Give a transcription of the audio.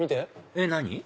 えっ何？